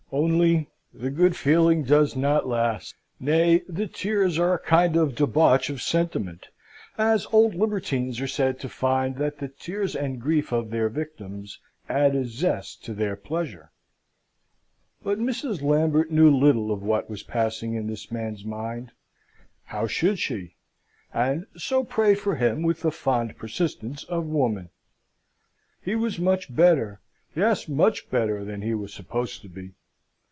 Only the good feeling does not last nay, the tears are a kind of debauch of sentiment, as old libertines are said to find that the tears and grief of their victims add a zest to their pleasure. But Mrs. Lambert knew little of what was passing in this man's mind (how should she?), and so prayed for him with the fond persistence of woman. He was much better yes, much better than he was supposed to be.